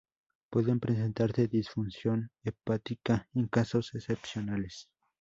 Puede presentarse disfunción hepática en casos excepcionales.